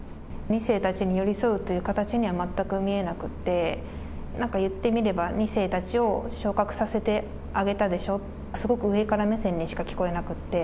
２世たちに寄り添うという形には全く見えなくて、なんか言ってみれば、２世たちを昇格させてあげたでしょ、すごく上から目線にしか聞こえなくって。